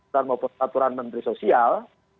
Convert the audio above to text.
dan maupun peraturan menteri sosial